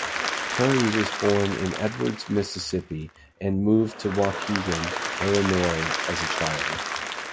Currie was born in Edwards, Mississippi and moved to Waukegan, Illinois as a child.